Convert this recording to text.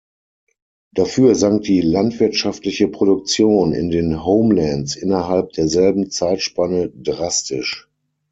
Dafür sank die landwirtschaftliche Produktion in den Homelands innerhalb derselben Zeitspanne drastisch.